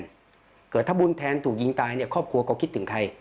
ถ้าเกิดถ้าบุญแทนถูกยิงตายเนี่ยครอบครัวก็คิดถึงใคร